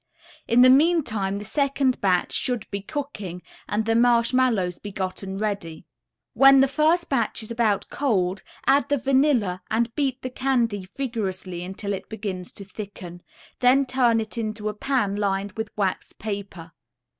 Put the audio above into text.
In the meantime the second batch should be cooking and the marshmallows be gotten ready. When the first batch is about cold add the vanilla and beat the candy vigorously until it begins to thicken, then turn it into a pan lined with waxed paper.